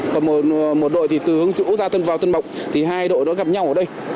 và một đội từ hương chũ vào tân bộng hai đội gặp nhau ở đây